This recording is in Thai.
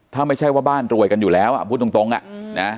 ถ้าไม่ใช่ว่าบ้านรวยกันอยู่แล้วอ่ะพูดตรงอ่ะนะ